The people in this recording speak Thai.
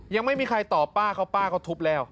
ยังไม่มีใครตอบป้าเขาป้าเขาทุบแล้ว